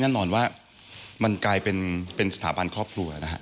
แน่นอนว่ามันกลายเป็นสถาบันครอบครัวนะฮะ